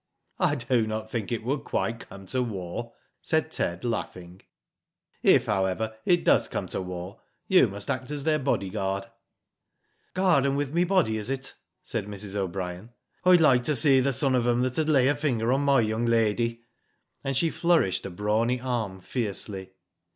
" I do not think it will quite come to war," said Ted, laughing. "If, however, it does come to war, you must act as their bodyguard." "Guard 'em with me body, is it?" said Mrs. O'Brien. " I'd like to see the son of 'em that 'ud lay a finger on my young lady," and she flourished a brawny arm, fiercely.